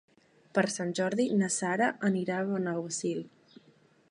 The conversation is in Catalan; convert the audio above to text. Per Sant Jordi na Sara anirà a Benaguasil.